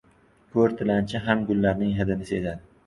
• Ko‘r tilanchi ham gullarning hidini sezadi.